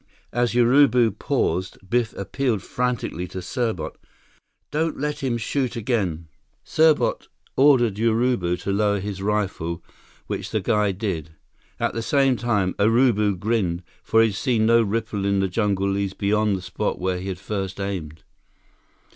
As Urubu paused, Biff appealed frantically to Serbot: "Don't let him shoot again—" Serbot ordered Urubu to lower his rifle, which the guide did. At the same time, Urubu grinned, for he had seen no ripple in the jungle leaves beyond the spot where he had first aimed.